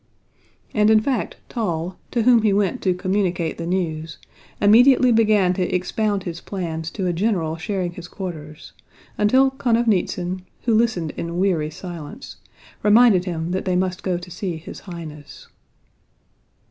And in fact Toll, to whom he went to communicate the news, immediately began to expound his plans to a general sharing his quarters, until Konovnítsyn, who listened in weary silence, reminded him that they must go to see his Highness.